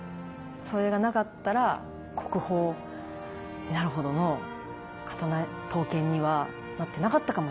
それがなかったら国宝になるほどの刀剣にはなってなかったかもしれない。